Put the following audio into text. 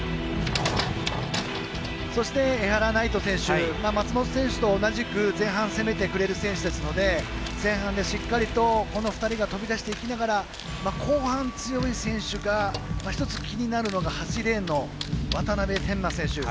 そして江原騎士松元選手と同じく前半、攻めてくれる選手ですので前半で、しっかりと、この２人が飛び出していきながら後半強い選手が一つ気になるのが８レーン、渡邊天馬選手。